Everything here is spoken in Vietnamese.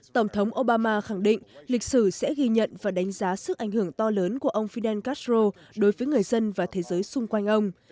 tổng thống obama khẳng định lịch sử sẽ ghi nhận và đánh giá sức ảnh hưởng to lớn của ông fidel castro đối với người dân và thế giới xung quanh ông